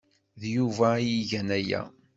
D Yuba ay igan aya.